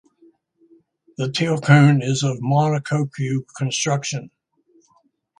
The tailcone is of monocoque construction.